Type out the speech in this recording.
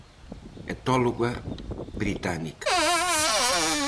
Etóloga británica.